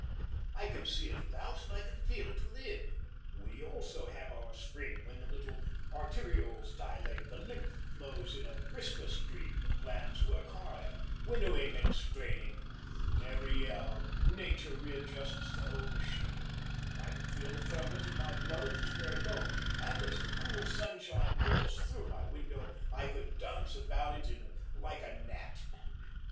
I can see it without, and I can feel it within. We also have our spring when the little arterioles dilate, the lymph flows in a brisker stream, the glands work harder, winnowing and straining. Every year nature readjusts the whole machine. I can feel the ferment in my blood at this very moment, and as the cool sunshine pours through my window I could dance about in it like a gnat.